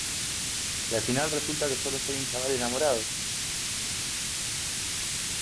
y al final resulta que solo soy un chaval enamorado.